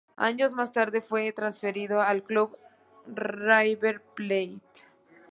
Años más tarde fue transferido al Club River Plate.